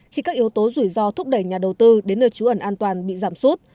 khi các yếu tố rủi ro thúc đẩy nhà đầu tư đến nơi trú ẩn an toàn bị giảm sút